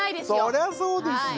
そりゃそうですよ。